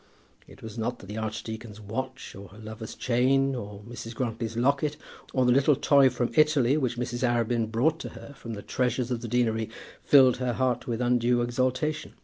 It was not that the archdeacon's watch, or her lover's chain, or Mrs. Grantly's locket, or the little toy from Italy which Mrs. Arabin brought to her from the treasures of the deanery, filled her heart with undue exultation.